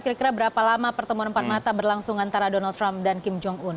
kira kira berapa lama pertemuan empat mata berlangsung antara donald trump dan kim jong un